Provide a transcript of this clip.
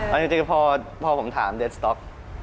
อันนี้จริงพอผมถามเดดสต็อก